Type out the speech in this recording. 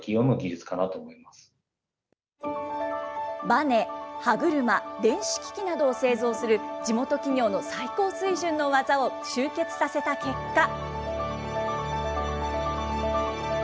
ばね、歯車、電子機器などを製造する、地元企業の最高水準の技を集結させた結果。